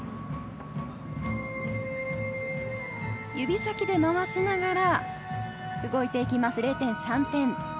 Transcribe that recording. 指先で回しながら動いていきます、０．３点。